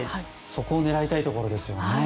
そこを狙いたいところですね。